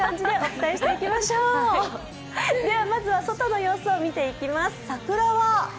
では、まずは外の様子を見ていきます。